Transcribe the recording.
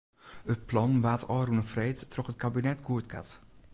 It plan waard ôfrûne freed troch it kabinet goedkard.